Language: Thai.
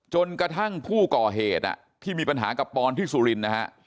จนกระทั่งผู้ก่อเหตุที่มีปัญหากับปอนที่สุรินทร์นะฮะ